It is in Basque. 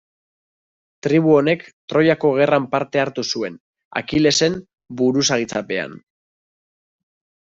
Tribu honek, Troiako gerran parte hartu zuen, Akilesen buruzagitzapean.